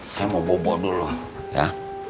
saya mau bobo dulu ya